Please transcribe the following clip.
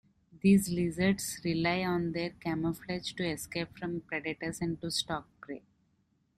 These lizards rely on their camouflage to escape from predators and to stalk prey.